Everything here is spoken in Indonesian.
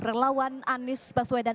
relawan anies baswedan